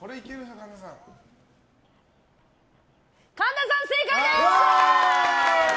神田さん、正解です！